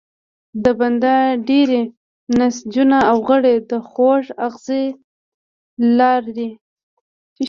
د بدن ډیری نسجونه او غړي د خوږ آخذې لري.